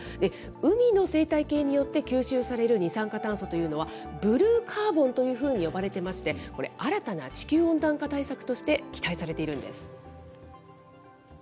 海の生態系によって吸収される二酸化炭素というのは、ブルーカーボンというふうに呼ばれてまして、これ、新たな地球温暖化対策として期待されているんです。